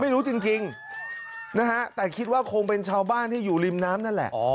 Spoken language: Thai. ไม่รู้จริงนะฮะแต่คิดว่าคงเป็นชาวบ้านที่อยู่ริมน้ำนั่นแหละ